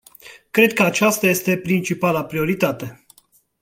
Cred că aceasta este principala prioritate.